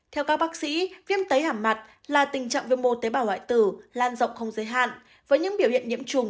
theo các bác sĩ viêm tấy hàm mặt là tình trạng viêm mô tế bào hoại tử lan rộng không giới hạn với những biểu hiện nhiễm trùng